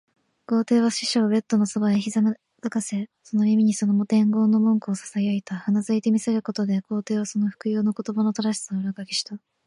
皇帝は使者をベッドのそばにひざまずかせ、その耳にその伝言の文句をささやいた。うなずいて見せることで、皇帝はその復誦の言葉の正しさを裏書きした。